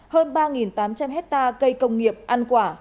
hơn ba tám trăm linh hectare cây công nghiệp ăn quả